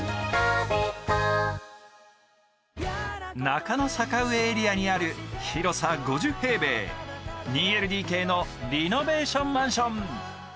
中野坂上エリアにある広さ５０平米、２ＬＤＫのリノベーションマンション。